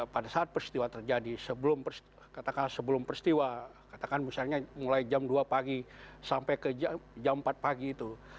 pada saat peristiwa terjadi sebelum peristiwa katakan misalnya mulai jam dua pagi sampai ke jam empat pagi itu